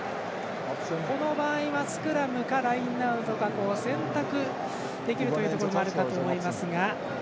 この場合はスクラムか、ラインアウトか選択できるというところもあったと思いますが。